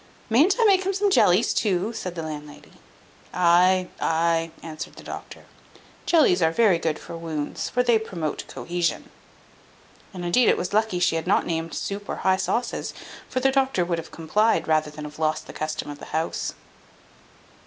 "Mayn't I make him some jellies too?" said the landlady. "Ay, ay," answered the doctor, "jellies are very good for wounds, for they promote cohesion." And indeed it was lucky she had not named soup or high sauces, for the doctor would have complied, rather than have lost the custom of the house.